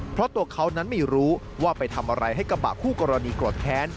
เพราะตัวเขานั้นไม่รู้ว่าไปทำอะไรให้กระบะคู่กรณีโกรธแค้น